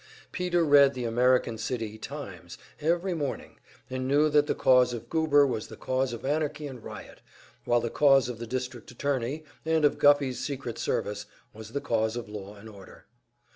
Peter read the American City "Times" every morning, and knew that the cause of Goober was the cause of anarchy and riot, while the cause of the district attorney and of Guffey's secret service was the cause of law and order.